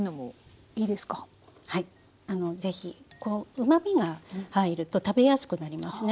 うまみが入ると食べやすくなりますね。